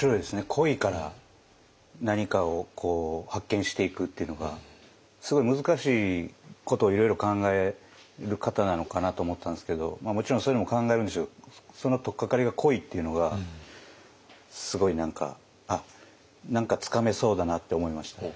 恋から何かを発見していくっていうのがすごい難しいことをいろいろ考える方なのかなと思ったんですけどもちろんそういうのも考えるんでしょうけどその取っかかりが恋っていうのがすごい何かつかめそうだなって思いましたね。